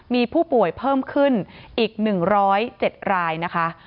มีผู้ป่วยเพิ่มขึ้นอีก๑๐๗รายนะคะ